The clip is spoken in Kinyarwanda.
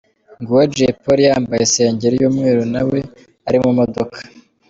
Nguwo Jay Polly yambaye isengeri y'umweru na we ari mu modoka.